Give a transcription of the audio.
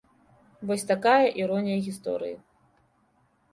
Вось такая іронія гісторыі.